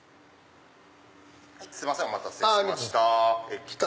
すいませんお待たせしました。来た！